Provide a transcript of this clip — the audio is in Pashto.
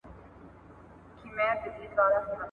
چي د ده د ژوند مالي اړتیاوي دي پوره کړي `